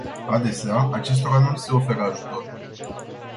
Adesea, acestora nu li se oferă ajutor.